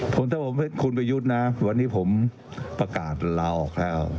ผมถ้าผมให้คุณประยุทธ์นะวันนี้ผมประกาศลาออกแล้ว